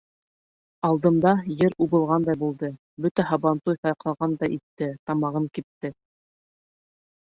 Алдымда ер убылғандай булды, бөтә һабантуй сайҡалғандай итте, тамағым кипте.